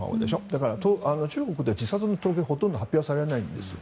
だから中国で自殺の統計はほとんど発表されないんです。